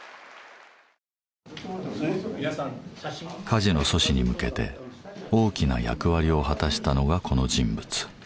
カジノ阻止に向けて大きな役割を果たしたのがこの人物。